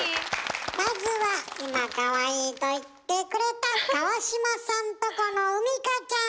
まずは今「かわいい」と言ってくれた川島さんとこの海荷ちゃん。